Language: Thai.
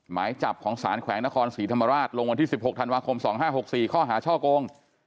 หมายจับของสารแขวงนครศรีธรรมราชลงวันที่สิบหกธันวาคมสองห้าหกสี่ข้อหาเช่าโกง